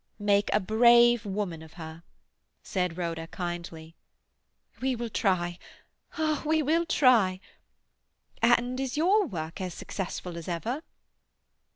"Make a brave woman of her," said Rhoda kindly. "We will try—ah, we will try! And is your work as successful as ever?"